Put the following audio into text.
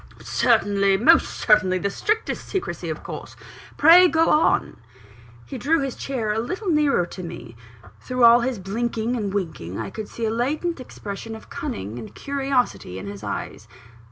"Certainly most certainly the strictest secrecy of course pray go on." He drew his chair a little nearer to me. Through all his blinking and winking, I could see a latent expression of cunning and curiosity in his eyes.